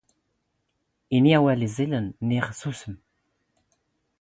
ⵉⵏⵉ ⴰⵡⴰⵍ ⵉⵥⵉⵍⵏ ⵏⵉⵖ ⵙⵙⵓⵙⵎ